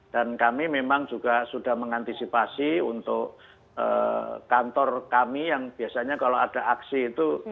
dan kami memang juga sudah mengantisipasi untuk kantor kami yang biasanya kalau ada aksi itu